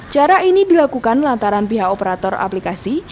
cara ini dilakukan lantaran pihak operator aplikasi